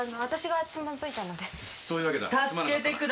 私がつまずいたので。